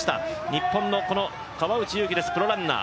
日本の川内優輝です、プロランナー。